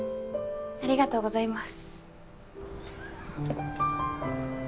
ありがとうございます。